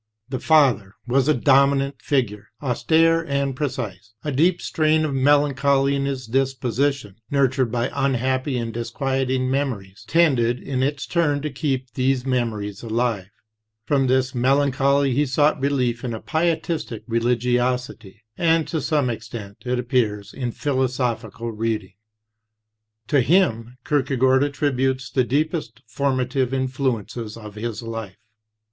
The father was a dominant figure, austere and precise. A deep strain of melancholy in his disposition, nurtured by un happy and disquieting memories, tended in its turn to keep these memories alive. From this melancholy he sought relief in a pietistic religiosity, and to some extent, it appears, in philosophical reading. To him Kierkegaard attributes the deepest formative influences of his life.